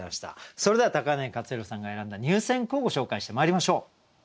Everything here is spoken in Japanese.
それでは柳克弘さんが選んだ入選句をご紹介してまいりましょう。